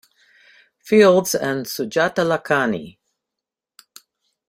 Fields and Sujata Lakhani.